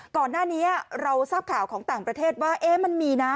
ก่อนหน้านี้เราทราบข่าวของต่างประเทศว่ามันมีนะ